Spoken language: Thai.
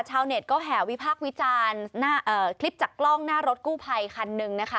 ชาวเน็ตก็แห่วิพากษ์วิจารณ์คลิปจากกล้องหน้ารถกู้ภัยคันหนึ่งนะคะ